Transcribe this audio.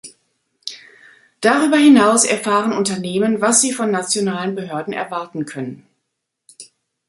Darüber hinaus erfahren Unternehmen, was sie von nationalen Behörden erwarten können.